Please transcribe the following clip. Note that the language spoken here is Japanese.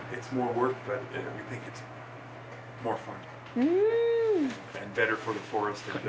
うん！